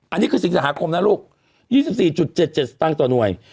อันนี้คือสิงหาคมนะลูก๒๔๗๗สตางค์ต่อหน่วย